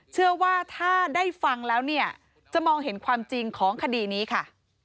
เชื่อว่าถ้าได้ฟังแล้วเนี่ยจะมองเห็นความจริงของคดีนี้ค่ะ